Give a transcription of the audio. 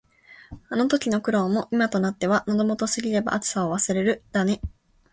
あの時の苦労も、今となっては「喉元過ぎれば熱さを忘れる」だね。